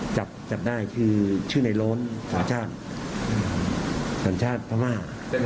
ใช่เชื่อในโหล้นสนชาติพม่า